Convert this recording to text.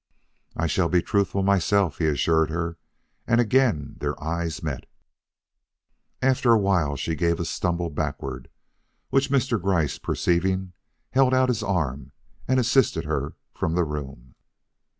"I shall be truthful myself," he assured her, and again their eyes met. After a while she gave a stumble backward, which Mr. Gryce perceiving, held out his arm and assisted her from the room.